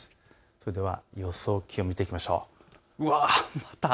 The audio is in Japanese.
それでは予想気温を見ていきましょう。